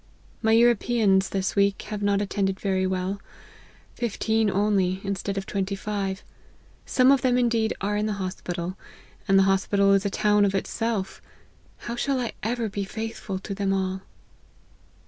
My Puropeans, this week, have not attend ed very well ; fifteen only, instead of twenty five ; some of them, indeed, are in the hospital ; and the hospital is a town of itself; how shall I ever be faithful to them all